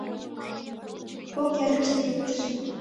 Кок эргыште иктыжым